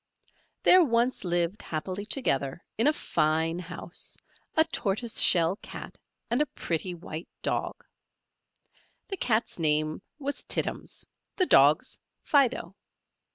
There once lived happily together, in a fine house, a tortoise shell Cat and a pretty white Dog: the Cat's name was Tittums; the Dog's, Fido.